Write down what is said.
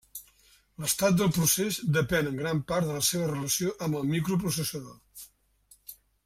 L'estat del procés depèn en gran part de la seva relació amb el microprocessador.